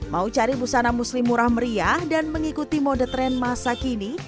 mau cari busana muslim murah meriah dan mengikuti mode tren masa kini